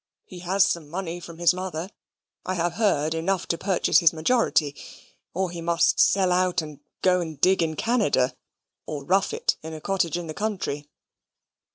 He has some money from his mother, I have heard enough to purchase his majority or he must sell out and go and dig in Canada, or rough it in a cottage in the country."